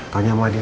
tanya sama dia